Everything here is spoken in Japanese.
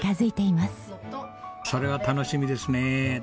それは楽しみですねえ。